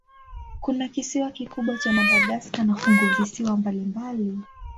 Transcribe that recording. Kuna kisiwa kikubwa cha Madagaska na funguvisiwa mbalimbali.